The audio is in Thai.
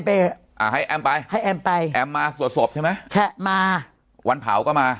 เอ้าให้แอมไปแอมมาสวดสวบใช่ไหมวันเผาก็มา